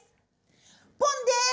ポンです！